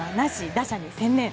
打者に専念。